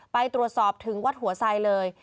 ไปตรวจสอบถึงวัดหัวไซเลย